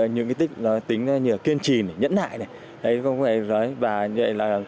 những cái tính kiên trì nhẫn hại này